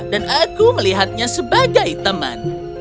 dan aku melihatnya sebagai teman